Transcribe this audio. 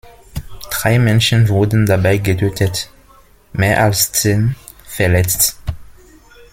Drei Menschen wurden dabei getötet, mehr als zehn verletzt.